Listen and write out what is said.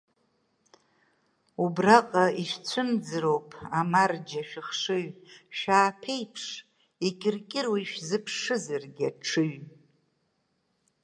Убраҟа ишәцәымӡроуп, амарџьа, шәыхшыҩ, шәааԥеиԥш, икьыркьыруа ишәзыԥшызаргь аҽыҩ…